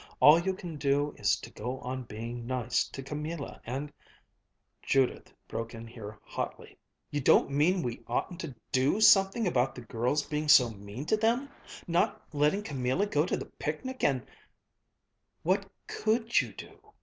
All you can do is to go on being nice to Camilla and " Judith broke in here hotly, "You don't mean we oughtn't to do something about the girls being so mean to them not letting Camilla go to the picnic and " "What could you do?"